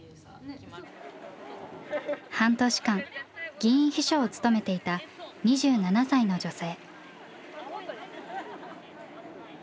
半年間議員秘書を務めていた２７歳の女性。